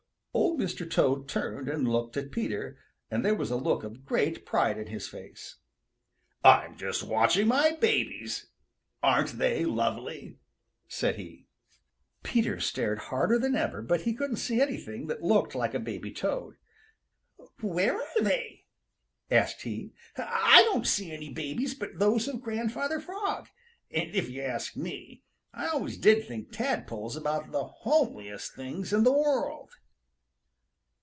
Old Mr. Toad turned and looked at Peter, and there was a look of great pride in his face. "I'm just watching my babies. Aren't they lovely?" said he. Peter stared harder than ever, but he couldn't see anything that looked like a baby Toad. "Where are they?" asked he. "I don't see any babies but those of Grandfather Frog, and if you ask me, I always did think tadpoles about the homeliest things in th' world."